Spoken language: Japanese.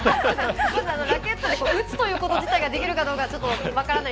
ラケットで打つということ自体ができるかどうか分からない